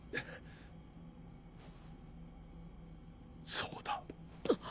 そうだ。